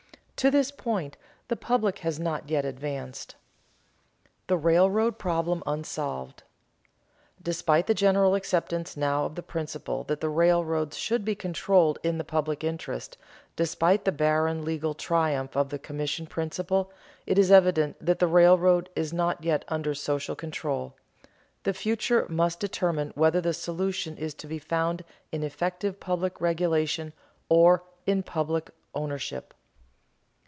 To this point the public has not yet advanced. [Sidenote: The railroad problem unsolved] Despite the general acceptance now of the principle that the railroads should be controlled in the public interest, despite the barren legal triumph of the commission principle, it is evident that the railroad is not yet under social control. The future must determine whether the solution is to be found in effective public regulation or in public ownership.